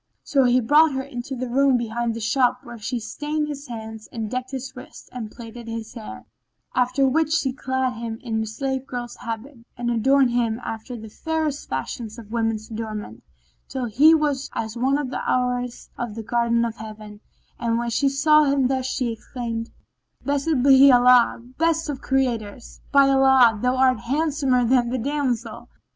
So he brought her into the room behind the shop where she stained his hands and decked his wrists and plaited his hair, after which she clad him in a slave girl's habit and adorned him after the fairest fashion of woman's adornment, till he was as one of the Houris of the Garden of Heaven, and when she saw him thus she exclaimed, "Blessed be Allah, best of Creators! By Allah, thou art handsomer than the damsel.